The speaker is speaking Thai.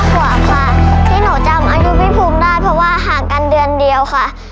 กว่าค่ะที่หนูจำอายุพี่ภูมิได้เพราะว่าห่างกันเดือนเดียวค่ะ